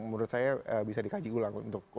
menurut saya bisa dikaji ulang